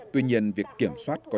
tuy nhiên việc kiểm soát khóa học